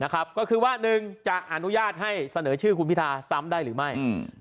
ก็คือว่า๑จะอนุญาตให้เสนอชื่อคุณพิธาซ้ำได้หรือไม่